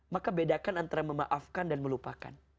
maka bedakan antara memaafkan dan melupakan